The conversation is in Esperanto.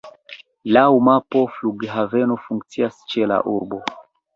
Laŭ mapo flughaveno funkcias ĉe la urbo.